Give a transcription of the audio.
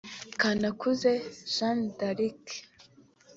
Kanakuze Jeanne d’Arc